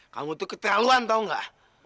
kamu tuh keterlaluan tau gak